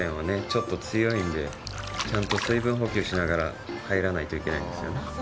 ちょっと強いんでちゃんと水分補給しながら入らないといけないんですよね。